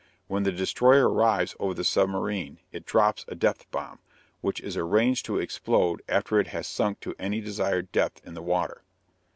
When the destroyer arrives over the submarine, it drops a depth bomb, which is arranged to explode after it has sunk to any desired depth in the water.